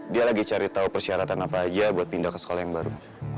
dia lagi cari tahu persyaratan apa aja buat pindah ke sekolah yang baru